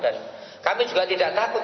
dan kami juga tidak takut